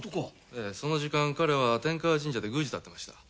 ええその時間彼は天河神社で宮司と会ってました。